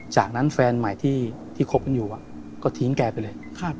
จากนั้นแฟนใหม่ที่คบกันอยู่ก็ทิ้งแกไปเลย